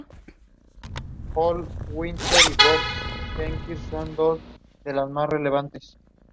He is the younger brother of former Corinthians player Guilherme Mantuan.